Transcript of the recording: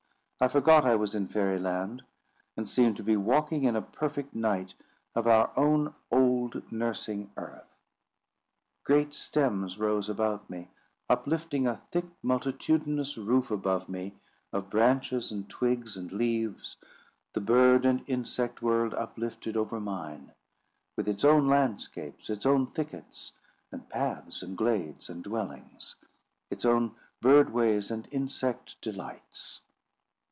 I forgot I was in Fairy Land, and seemed to be walking in a perfect night of our own old nursing earth. Great stems rose about me, uplifting a thick multitudinous roof above me of branches, and twigs, and leaves—the bird and insect world uplifted over mine, with its own landscapes, its own thickets, and paths, and glades, and dwellings; its own bird ways and insect delights.